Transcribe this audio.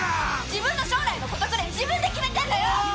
自分の将来のことくらい自分で決めてんのよ！